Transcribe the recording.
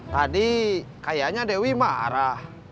tadi kayaknya dewi marah